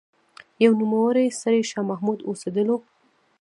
يو نوموړی سړی شاه محمد اوسېدلو